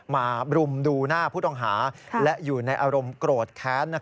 มารุมดูหน้าผู้ต้องหาและอยู่ในอารมณ์โกรธแค้น